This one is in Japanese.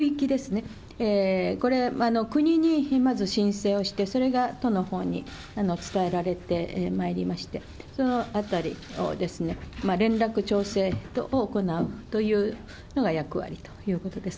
また、企業、大学などにおける職域ですね、これ、国にまず申請をして、それが都のほうに伝えられてまいりまして、そのあたりをですね、連絡調整等を行うというのが役割ということです。